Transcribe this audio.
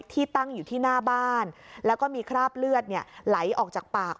ที่ตั้งอยู่ที่หน้าบ้านแล้วก็มีคราบเลือดไหลออกจากปาก